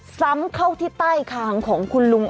ซ้ำเข้าที่ใต้คางของคุณลุง